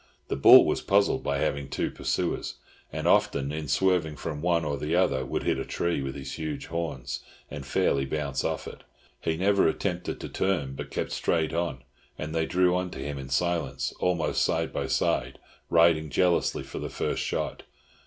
The bull was puzzled by having two pursuers, and often in swerving from one or the other would hit a tree with his huge horns, and fairly bounce off it. He never attempted to turn, but kept straight on, and they drew on to him in silence, almost side by side, riding jealously for the first shot.